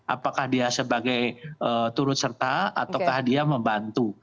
apakah dia sebagai turut serta ataukah dia membantu